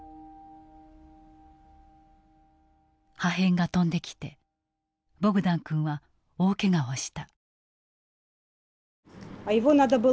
破片が飛んできてボグダン君は大けがをした。